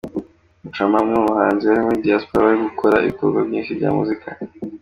Muchoma, umwe mu bahanzi bari muri Diaspora bari gukora ibikorwa byinshi bya muzika.